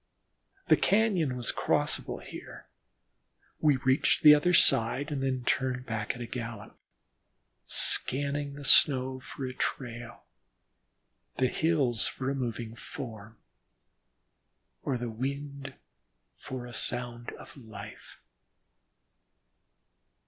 The cañon was crossable here; we reached the other side and then turned back at a gallop, scanning the snow for a trail, the hills for a moving form, or the wind for a sound of life.